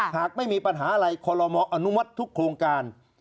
หากไม่มีปัญหาอะไรคอลโลมออนุมัติทุกโครงการ